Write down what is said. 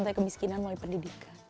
mulai kemiskinan mulai pendidikan